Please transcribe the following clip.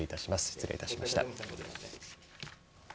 失礼いたしました。